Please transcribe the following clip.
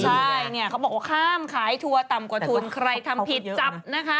ใช่เนี่ยเขาบอกว่าข้ามขายทัวร์ต่ำกว่าทุนใครทำผิดจับนะคะ